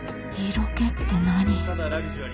色気って何？